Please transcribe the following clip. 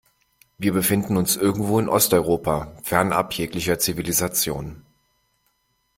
Wir befinden uns irgendwo in Osteuropa, fernab jeglicher Zivilisation.